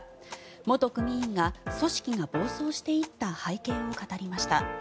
元組員が組織が暴走していった背景を語りました。